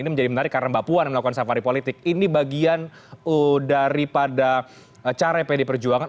sebenarnya karena mbak puan yang melakukan safari politik ini bagian daripada cara pd perjuangan